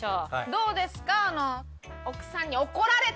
どうですか？